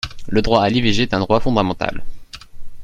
Le droit à l’IVG est un droit fondamental.